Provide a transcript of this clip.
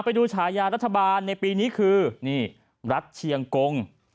ไปดูฉายารัฐบาลในปีนี้คือนี่รัฐเชียงกง